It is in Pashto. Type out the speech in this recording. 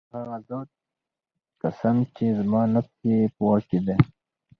په هغه ذات قسم چي زما نفس ئې په واك كي دی